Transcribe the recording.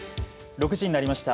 ６時になりました。